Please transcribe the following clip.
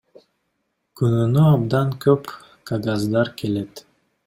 Күнүнө абдан көп кагаздар келет.